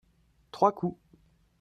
trois coups.